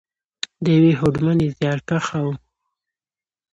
، د یوې هوډمنې، زیارکښې او .